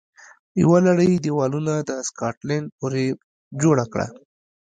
یوه لړۍ دېوالونه د سکاټلند پورې جوړه کړه